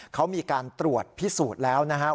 เขามีการตรวจพิสูจน์แล้วนะครับ